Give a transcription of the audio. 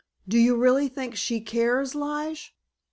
Do you really think she cares, Lige?